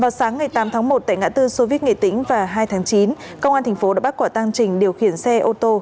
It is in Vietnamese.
vào sáng ngày tám tháng một tại ngã tư soviet nghệ tĩnh vào hai tháng chín công an tp đã bắt quả tăng trình điều khiển xe ô tô